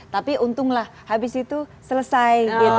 tapi untunglah habis itu selesai